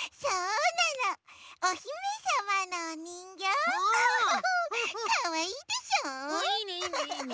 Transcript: うんいいねいいねいいね！